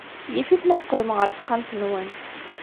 Yif-it ma teqqlem ɣer texxamt-nwen.